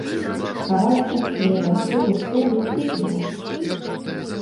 Кавалачак хлеба, крыху солі, і до!